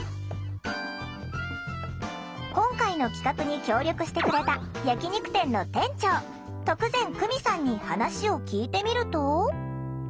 今回の企画に協力してくれた焼き肉店の店長徳善久美さんに話を聞いてみると。